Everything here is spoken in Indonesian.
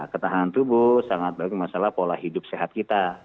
ketahanan tubuh sangat baik masalah pola hidup sehat kita